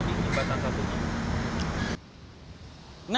di jembatan satunya